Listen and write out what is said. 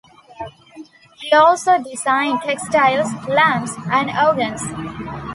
He also designed textiles, lamps and organs.